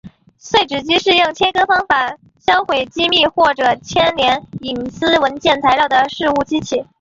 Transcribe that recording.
碎纸机是用切割方法销毁机密或者牵涉隐私文件材料的事务机器。